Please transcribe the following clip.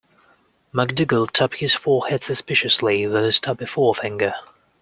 MacDougall tapped his forehead suspiciously with a stubby forefinger.